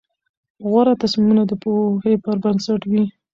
غوره تصمیمونه د پوهې پر بنسټ وي.